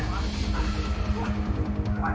นักจิตเจ็บหรือนักจิต